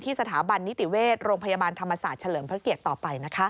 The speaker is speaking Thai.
สถาบันนิติเวชโรงพยาบาลธรรมศาสตร์เฉลิมพระเกียรติต่อไปนะคะ